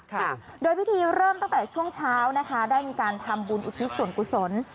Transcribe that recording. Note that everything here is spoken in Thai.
ค่ะโดยพิธีเริ่มตั้งแต่ช่วงเช้านะคะได้มีการทำบุญอุทิศส่วนกุศล